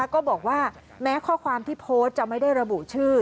ก็บอกว่าแม้ข้อความที่โพสต์จะไม่ได้ระบุชื่อ